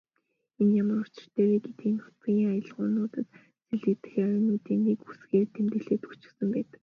Энэ ямар учиртай вэ гэвэл нутгийн аялгуунуудад сэлгэгдэх авиануудыг нэг үсгээр тэмдэглээд өгчихсөн байдаг.